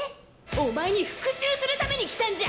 お前に復讐するために来たんじゃ！